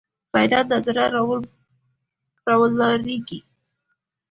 غیرت له زړه راولاړېږي